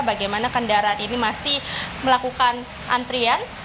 bagaimana kendaraan ini masih melakukan antrian